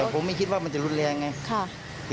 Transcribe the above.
ผมไม่คิดว่ามันจะรุนแรงไง